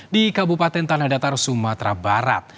di kabupaten tanah datar sumatera barat